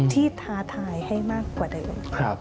ท้าทายให้มากกว่าเดิม